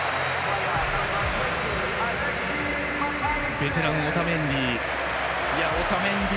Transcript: ベテラン、オタメンディ。